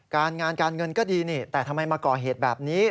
การงานการเงินก็ดีนี่แต่ทำไมมาก่อเหตุแบบนี้